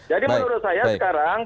jadi menurut saya sekarang